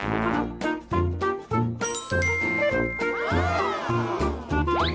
รายลงนะครับ